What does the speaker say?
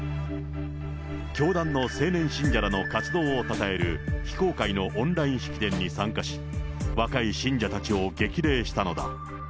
教団の青年信者らの活動をたたえる非公開のオンライン式典に参加し、若い信者たちを激励したのだ。